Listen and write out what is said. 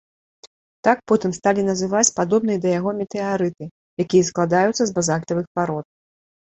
Так, потым сталі называць падобныя да яго метэарыты, якія складаюцца з базальтавых парод.